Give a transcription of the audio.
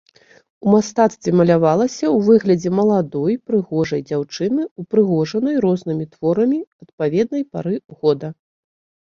У мастацтве малявалася ў выглядзе маладой прыгожай дзяўчыны, упрыгожанай рознымі творамі адпаведнай пары года.